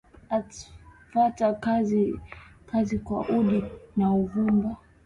Atafta kazi kwa udi na uvumba